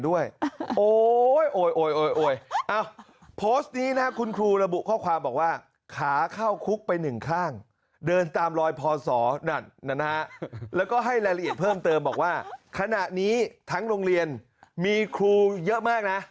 โดยพอนศรนั่นนะฮะแล้วก็ให้รายละเอียดเพิ่มเติมบอกว่าขณะนี้ทั้งโรงเรียนมีครูเยอะมากนะ